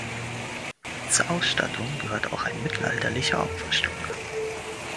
Zur Ausstattung gehört auch ein mittelalterlicher Opferstock.